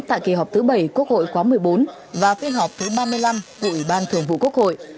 tại kỳ họp thứ bảy quốc hội khóa một mươi bốn và phiên họp thứ ba mươi năm của ủy ban thường vụ quốc hội